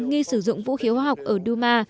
nghi sử dụng vũ khí hoa học ở douma